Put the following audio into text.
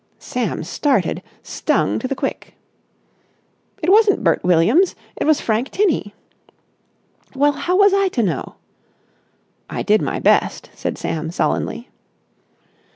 Sam started, stung to the quick. "It wasn't Bert Williams. It was Frank Tinney!" "Well, how was I to know?" "I did my best," said Sam sullenly.